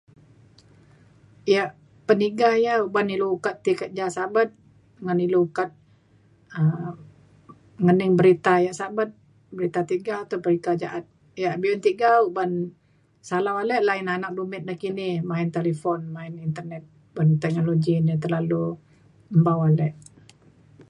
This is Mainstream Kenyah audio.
yak peniga ia’ uban ilu ukat ti kerja sabet ngan ilu ukat um ngening berita yak sabet berita tiga atau berita ja’at. yak be’un tiga uban salau ale line anak dumit nakini main talifon main internet ban teknologi ni terlalu mbau ale.